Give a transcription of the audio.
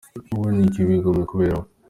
Wowe ni iki wigomwe kubera we?.